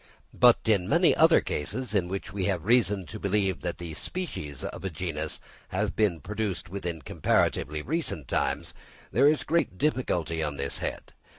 But in many other cases, in which we have reason to believe that the species of a genus have been produced within comparatively recent times, there is great difficulty on this head.